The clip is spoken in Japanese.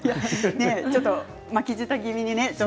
ちょっと、巻き舌気味でね。